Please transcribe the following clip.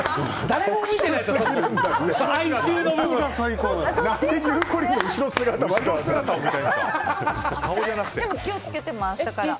誰も見てないですからね。